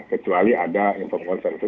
kecuali ada inform konsens